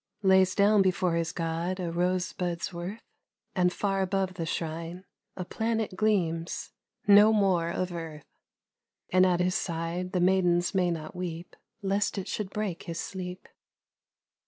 . Lays down before his God a rosebud's worth, And far above the shrine a planet gleams ; No more of earth ! And at his side the maidens may not weep, Lest it should break his sleep.